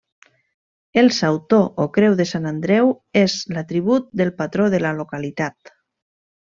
El sautor o creu de Sant Andreu és l'atribut del patró de la localitat.